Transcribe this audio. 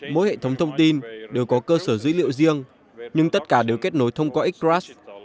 mỗi hệ thống thông tin đều có cơ sở dữ liệu riêng nhưng tất cả đều kết nối thông qua exprass